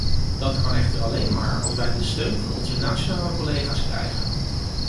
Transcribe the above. Dat kan echter alleen maar als wij de steun van onze nationale collega's krijgen.